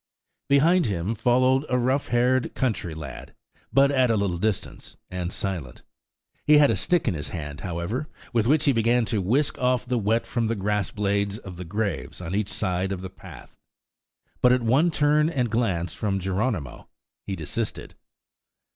Behind him followed a rough haired country lad, but at a little distance, and silent. He had a stick in his hand, however, with which he began to whisk off the wet from the grass blades of the graves on each side of the path; but at one turn and glance from Geronimo, he desisted.